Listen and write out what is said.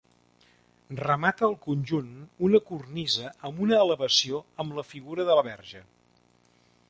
Remata el conjunt una cornisa amb una elevació amb la figura de la Verge.